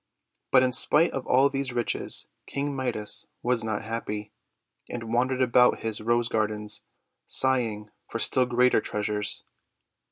But in spite of all these riches King Midas was not happy, and wandered about his Rose Gardens, sighing for still greater treasures.